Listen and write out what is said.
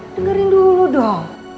dengarin dulu dong